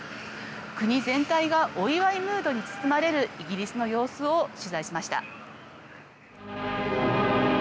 国全体がお祝いムードに包まれるイギリスの様子を取材しました。